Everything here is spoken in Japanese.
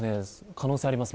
可能性あります